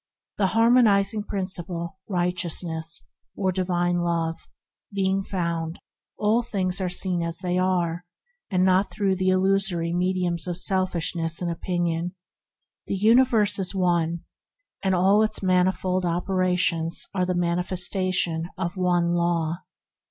The harmonizing Principle, Righteousness, or Divine Love, being found, all things are seen as they are, and not through the illusory mediums of selfishness and opinion; the universe is One, and all its manifold opera tions are the manifestation of one Law.